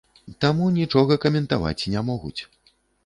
Таму нічога каментаваць не могуць.